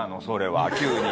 それは。